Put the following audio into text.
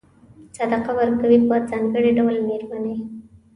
صدقه ورکوي په ځانګړي ډول مېرمنې.